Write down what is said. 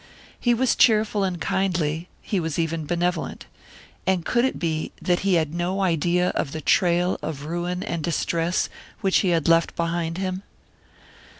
He was cheerful and kindly; he was even benevolent. And could it be that he had no idea of the trail of ruin and distress which he had left behind him?